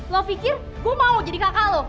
lo pikir gue mau jadi kakak lo